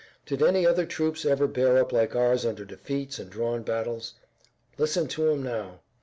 Did any other troops ever bear up like ours under defeats and drawn battles? Listen to 'em now!"